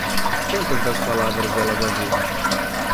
Quantas das palavras ela já viu?